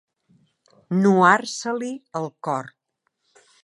Nuar-se-li el cor.